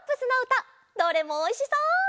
どれもおいしそう！